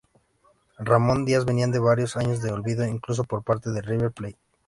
Ramón Díaz venía de varios años de olvido, incluso por parte de River Plate.